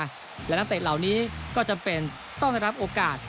หล่านักเต้เฉดเหล่านี้ก็จะเป็นต้องได้รับโอกาส